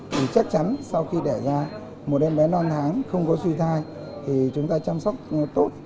thì chắc chắn sau khi đẻ ra một em bé non tháng không có suy thai thì chúng ta chăm sóc tốt